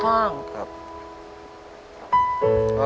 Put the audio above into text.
ครับ